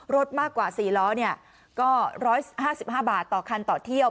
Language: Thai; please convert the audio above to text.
รถมากกว่า๔ล้อก็๑๕๕บาทต่อคันต่อเที่ยว